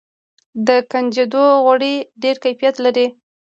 د کنجدو غوړي ډیر کیفیت لري.